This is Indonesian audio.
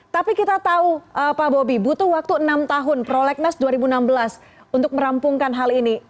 tapi kita tahu pak bobi butuh waktu enam tahun prolegnas dua ribu enam belas untuk merampungkan hal ini